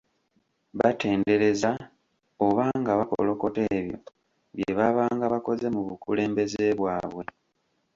Batendereza oba nga bakolokota ebyo bye baabanga bakoze mu bukulembeze bwabwe.